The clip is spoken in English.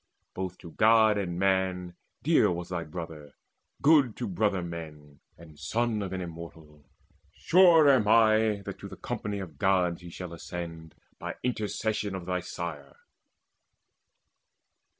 Both to God and man Dear was thy brother, good to brother men, And son of an Immortal. Sure am I That to the company of Gods shall he Ascend, by intercession of thy sire."